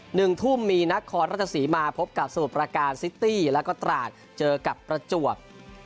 หนึ่งทุ่มมีนครราชสีมาพบกับสมุทรประการซิตี้แล้วก็ตราดเจอกับประจวบ